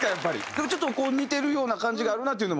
でもちょっと似てるような感じがあるなっていうのも。